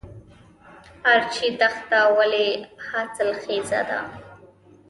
ارچي دښته ولې حاصلخیزه ده؟